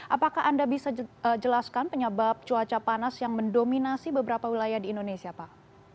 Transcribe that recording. apakah anda bisa jelaskan penyebab cuaca panas yang mendominasi beberapa wilayah di indonesia pak